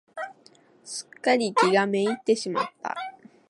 すっかり気が滅入ってしまった。